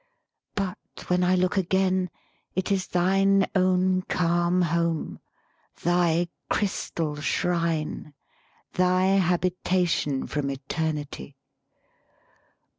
But when I look again, It is thine own calm home, thy crystal shrine, Thy habitation from eternity!